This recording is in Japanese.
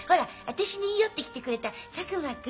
私に言い寄ってきてくれた佐久間君